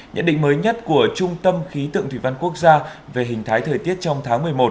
nhận định mới nhất của trung tâm khí tượng thủy văn quốc gia về hình thái thời tiết trong tháng một mươi một